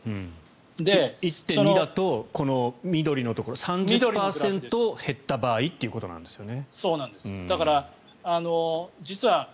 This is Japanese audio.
１．２だとこの緑のところ３０％減った場合ということなんですよね。